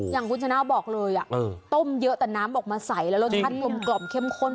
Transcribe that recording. อย่างคุณฉะนาวบอกเลยอ่ะต้มเยอะแต่น้ำออกมาใสและรสชาติร่มกรอบเข้มขน